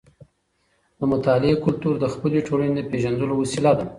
د مطالعې کلتور د خپلې ټولنې د پیژندلو وسیله ده.